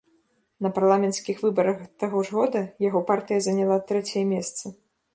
На парламенцкіх выбарах таго ж года яго партыя заняла трэцяе месца.